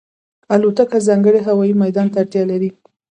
الوتکه ځانګړی هوايي میدان ته اړتیا لري.